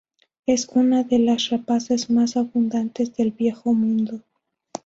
Es una de las rapaces más abundantes del Viejo Mundo.